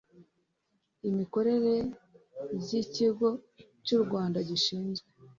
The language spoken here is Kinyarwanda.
imikorere by ikigo cy u Rwanda gishinzwe